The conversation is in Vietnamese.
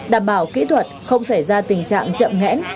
đảm bảo kỹ thuật không xảy ra tình trạng chậm ngẽn